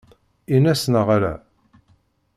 Ines neɣ ala?